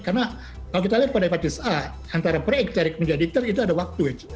karena kalau kita lihat pada hepatitis a antara pre ekterik menjadi ekterik itu ada waktu